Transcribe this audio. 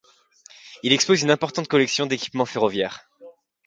Il expose une importante collection d'équipements ferroviaires.